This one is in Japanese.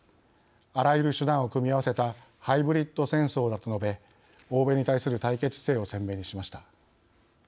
あらゆる手段を組み合わせたハイブリッド戦争だ」と述べ、欧米に対する対決姿勢を鮮明にしました。